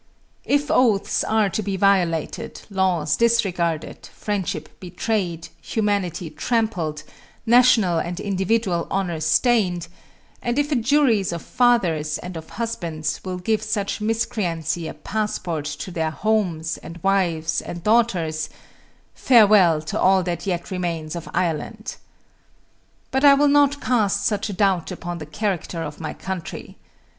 If oaths are to be violated, laws disregarded, friendship betrayed, humanity trampled, national and individual honor stained, and if a jury of fathers and of husbands will give such miscreancy a passport to their homes, and wives, and daughters, farewell to all that yet remains of Ireland! But I will not cast such a doubt upon the character of my country.